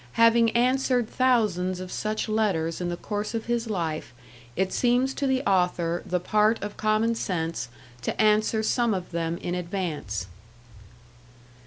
Having answered thousands of such letters in the course of his life, it seems to the author the part of common sense to answer some of them in advance.